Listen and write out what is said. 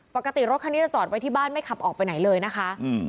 ปกติรถคันนี้จะจอดไว้ที่บ้านไม่ขับออกไปไหนเลยนะคะ